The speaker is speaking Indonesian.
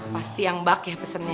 pasti yang bak ya pesannya